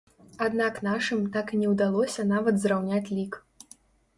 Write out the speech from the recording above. Аднак нашым так і не ўдалося нават зраўняць лік.